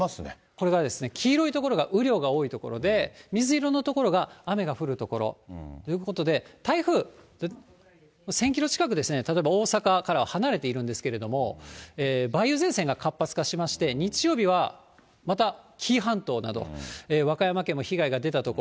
これがですね、黄色い所が雨量が多い所で、水色の所が雨が降る所ということで、台風１０００キロ近くですね、例えば大阪からは離れているんですけれども、梅雨前線が活発化しまして、日曜日はまた紀伊半島など、和歌山県も被害が出た所。